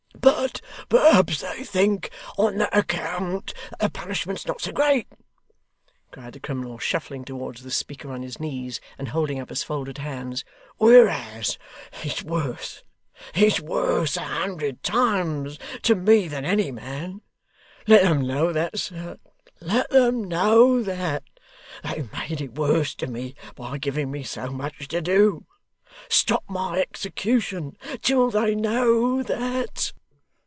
' But perhaps they think on that account that the punishment's not so great,' cried the criminal, shuffling towards this speaker on his knees, and holding up his folded hands; 'whereas it's worse, it's worse a hundred times, to me than any man. Let them know that, sir. Let them know that. They've made it worse to me by giving me so much to do. Stop my execution till they know that!